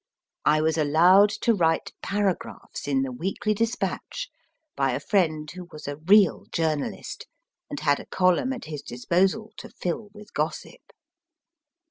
I was allowed to write paragraphs in the Weekly Dispatch by a friend who was a real journalist, and had a column at his disposal to fill with gossip.